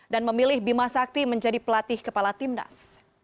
dan memilih bima sakti menjadi pelatih kepala timnas